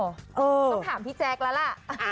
ต้องถามพี่แจ๊คแล้วล่ะ